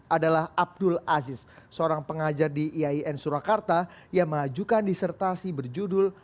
adalah abdul aziz seorang pengajar di iain surakarta yang mengajukan disertasi berjudul